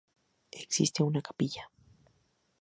Existe una capilla.